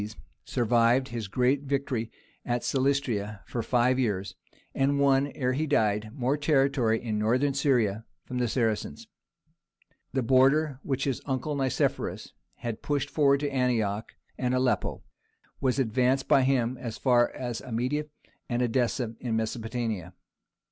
_) John Zimisces survived his great victory at Silistria for five years, and won, ere he died, more territory in Northern Syria from the Saracens. The border which his uncle Nicephorus had pushed forward to Antioch and Aleppo was advanced by him as far as Amida and Edessa in Mesopotamia.